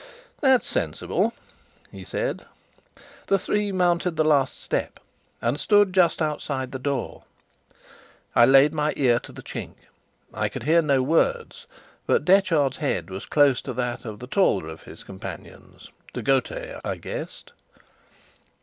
"That's sensible," he said. The three mounted the last step, and stood just outside the door. I laid my ear to the chink. I could hear no words, but Detchard's head was close to that of the taller of his companions (De Gautet, I guessed).